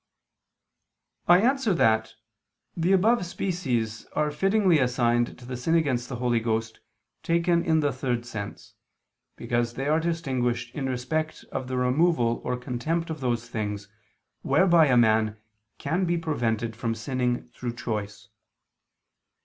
I answer that, The above species are fittingly assigned to the sin against the Holy Ghost taken in the third sense, because they are distinguished in respect of the removal or contempt of those things whereby a man can be prevented from sinning through choice.